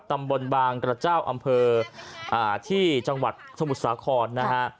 ตำบลบางกระเจ้าอำเภอที่จังหวัดสมุทรสาครนะฮะ